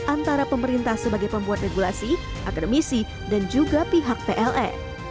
antara pemerintah sebagai pembuat regulasi akademisi dan juga pihak pla